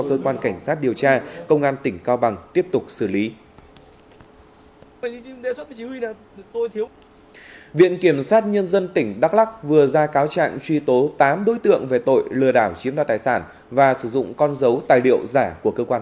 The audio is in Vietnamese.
cơ quan cảnh sát điều tra công an tp vinh tỉnh nghệ an vừa ra quyết định khởi tố bị can bắt tạm giam bốn tháng đối với lê ngọc sơn